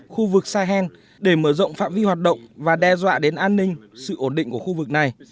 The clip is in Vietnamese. khu vực sahel để mở rộng phạm vi hoạt động và đe dọa đến an ninh sự ổn định của khu vực này